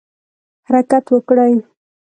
حرکت وکړي.